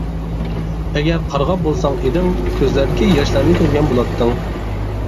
ئەگەر قارىغان بولساق ئىدىڭ، كۆزلەردىكى ياشلارنى كۆرگەن بولاتتىڭ.